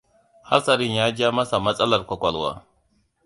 Hatasarin ya ja masa matsalar ƙwaƙwalwa.